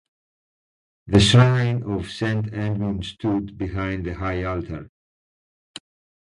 The shrine of Saint Edmund stood behind the high altar.